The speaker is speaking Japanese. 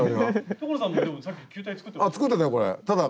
所さんもでもさっき球体作ってましたよね？